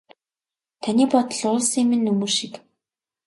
Таны бодол уулсын минь нөмөр шиг.